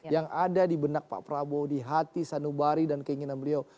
yang ada di benak pak prabowo di hati sanubari dan keinginan beliau